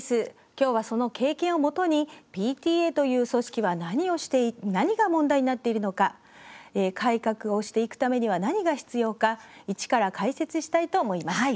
きょうは、その経験をもとにＰＴＡという組織は何をしていて何が問題になっているのか改革をしていくためには何が必要か一から解説したいと思います。